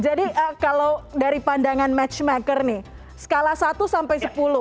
jadi kalau dari pandangan matchmaker nih skala satu sampai sepuluh